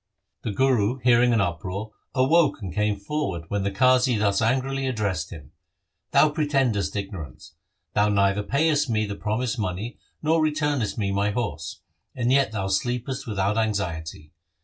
The Guru, hearing an uproar, awoke and came forward, when the Qazi thus angrily addressed him :' Thou pretendest ignorance. Thou neither payest me the promised money nor returnest me my horse, and yet thou sleepest without anxiety.